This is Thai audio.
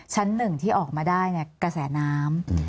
ชั้น๑ที่ออกมาได้กระแสน้ำ